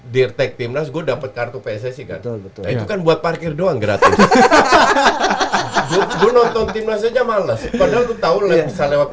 dear tag timnas gue dapet kartu pssi ganteng betul itu kan buat parkir doang gratis hahaha